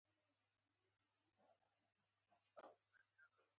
چې په يوه پټي کې کرل شوي.